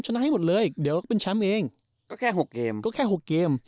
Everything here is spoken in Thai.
ให้หมดเลยเดี๋ยวก็เป็นแชมป์เองก็แค่๖เกมก็แค่๖เกม